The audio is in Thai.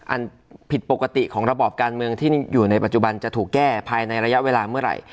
อันผิดปกติของระบอบการเมืองที่อยู่ในปัจจุบันจะถูกแก้ภายในระยะเวลาเมื่อไหร่